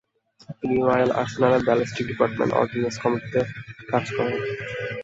তিনি রয়েল আর্সেনালের ballistic department ordnance কমিটিতে কাজ করেন।